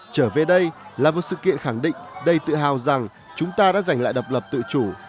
trở về đây là một sự kiện khẳng định đầy tự hào rằng chúng ta đã giành lại độc lập tự chủ